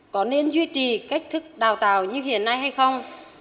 có nên duy trì cách thức đào tạo như hiện nay hay không